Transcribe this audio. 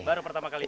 baru pertama kali